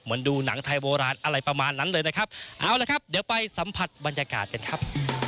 ดูหนังไทยโบราณอะไรประมาณนั้นเลยนะครับเอาละครับเดี๋ยวไปสัมผัสบรรยากาศกันครับ